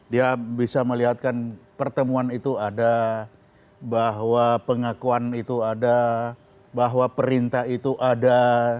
dia bisa melihatkan pertemuan itu ada bahwa pengakuan itu ada bahwa perintah itu ada